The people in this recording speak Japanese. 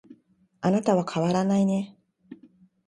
あなたは変わらないね